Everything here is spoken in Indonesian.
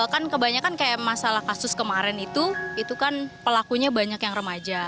kan kebanyakan kayak masalah kasus kemarin itu itu kan pelakunya banyak yang remaja